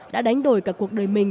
đã đánh đổi cả cuộc đời mình